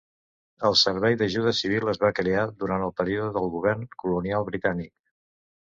El Servei d'Ajuda Civil, es va crear durant el període del govern colonial britànic.